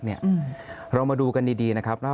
สิ่งที่ประชาชนอยากจะฟัง